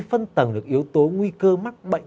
phân tầng được yếu tố nguy cơ mắc bệnh